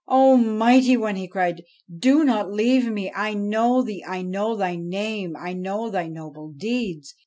' O mighty one 1 he cried ;' do not leave me. I know thee, I know thy name ; I know thy noble deeds.